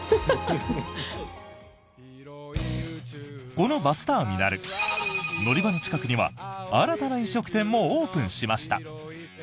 このバスターミナル乗り場の近くには新たな飲食店もオープンしました。